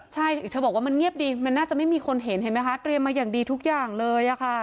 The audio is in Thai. ใช่เธอบอกว่ามันเงียบดีมันน่าจะไม่มีคนเห็นเห็นไหมคะเตรียมมาอย่างดีทุกอย่างเลย